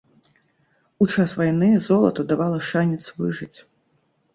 У час вайны золата давала шанец выжыць.